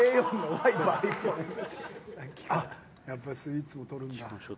やっぱりスイーツも取るんだ。